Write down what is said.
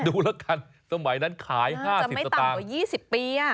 คิดดูแล้วกันสมัยนั้นขายห้าสิบสตางค์อ้าวจะไม่ต่ำกว่ายี่สิบปีอ่ะ